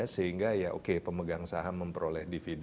sehingga ya oke pemegang saham memperoleh dvd